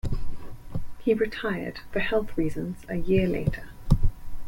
He retired for health reasons a year later.